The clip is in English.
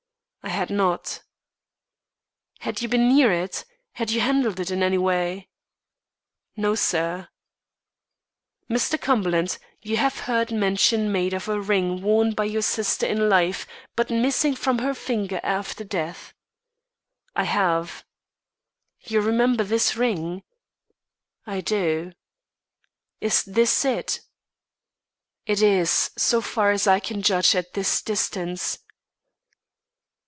"I had not." "Had you been near it? Had you handled it in any way?" "No, sir." "Mr. Cumberland, you have heard mention made of a ring worn by your sister in life, but missing from her finger after death?" "I have." "You remember this ring?" "I do." "Is this it?" "It is, so far as I can judge at this distance."